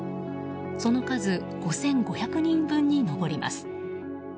その数、５５００人分に上ります。